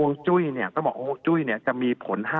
วงจุ้ยเนี่ยก็บอกว่าวงจุ้ยเนี่ยจะมีผล๕๐